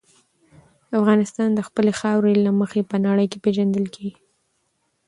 افغانستان د خپلې خاورې له مخې په نړۍ کې پېژندل کېږي.